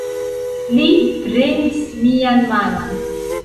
Li premis mian manon.